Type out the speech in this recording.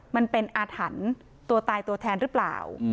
มันเป็นอาถรรพ์ตัวตายตัวแทนหรือเปล่า